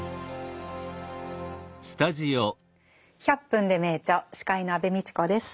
「１００分ｄｅ名著」司会の安部みちこです。